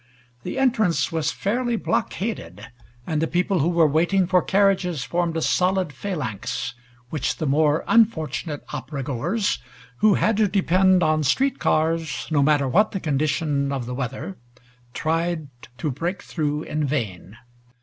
The entrance was fairly blockaded, and the people who were waiting for carriages formed a solid phalanx, which the more unfortunate opera goers, who had to depend on street cars no matter what the condition of the weather, tried to break through in vain.